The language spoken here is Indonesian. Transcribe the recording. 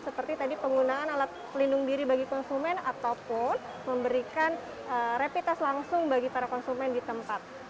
seperti tadi penggunaan alat pelindung diri bagi konsumen ataupun memberikan rapid test langsung bagi para konsumen di tempat